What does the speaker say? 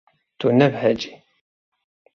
Tu nebehecî.